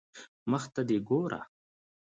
مخ ته دي ګوره